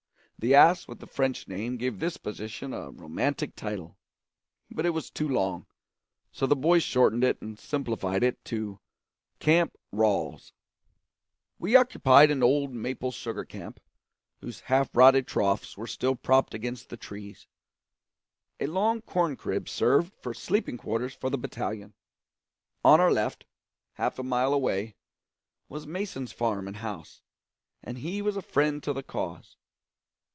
The ass with the French name gave this position a romantic title, but it was too long, so the boys shortened and simplified it to Camp Ralls. We occupied an old maple sugar camp, whose half rotted troughs were still propped against the trees. A long corn crib served for sleeping quarters for the battalion. On our left, half a mile away, was Mason's farm and house; and he was a friend to the cause.